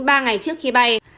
ba ngày trước khi bay